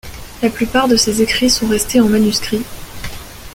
La plupart de ses écrits sont restés en manuscrit.